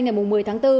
ngày một mươi tháng bốn